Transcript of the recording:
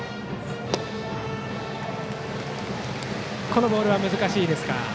このボールは難しいですか。